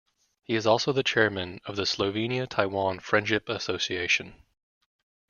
He is also the chairman of the Slovenia-Taiwan Friendship Association.